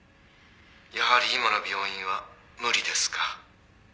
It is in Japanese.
「やはり今の病院は無理ですか？」